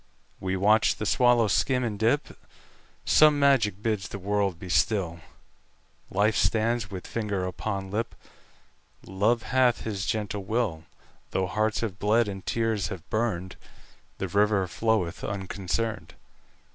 We watch the swallow skim and dip; Some magic bids the world be still; Life stands with finger upon lip; Love hath his gentle will; Though hearts have bled, and tears have burned, The river floweth unconcerned.